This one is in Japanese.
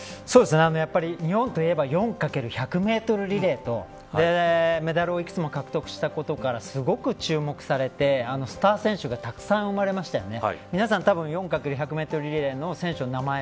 やっぱり、日本といえば４×１００メートルリレーとメダルを幾つも獲得したことからすごく注目されてスター選手がたくさん生まれましたよね。